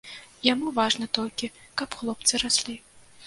Яму важна толькі, каб хлопцы раслі.